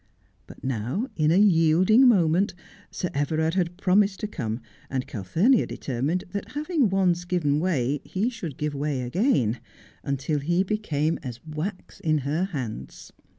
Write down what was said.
But now, in a yielding moment, Sir Everard had promised to come, and Calphurnia determined that having once given way he should give way again, until he became as wax in her hands.